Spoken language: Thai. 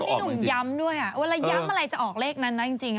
พี่หนุ่มย้ำด้วยเวลาย้ำอะไรจะออกเลขนั้นนะจริง